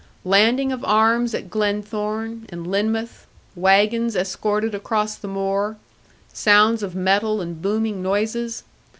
Landing of arms at Glenthorne, and Lynmouth, wagons escorted across the moor, sounds of metal and booming noises!